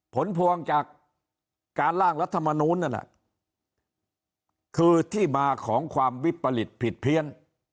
ผลพวงจากการล่างรัฐมนูลนั่นน่ะคือที่มาของความวิปริตผิดเพี้ยน